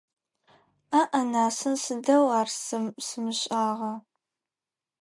Аӏ-анасын, сыдэу ар сэ сымышӏагъа!